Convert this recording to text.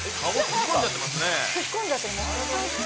顔、突っ込んじゃってますね。